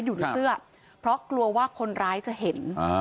อยู่ในเสื้อเพราะกลัวว่าคนร้ายจะเห็น